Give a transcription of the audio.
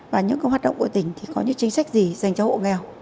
và những công hoạt động của tỉnh có những chính sách gì dành cho hộ nghèo